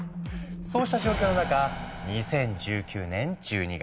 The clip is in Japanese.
そうした状況の中２０１９年１２月。